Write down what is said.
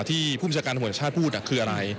ที่ผู้บัญชาการตำรวจชาติพูดคืออะไร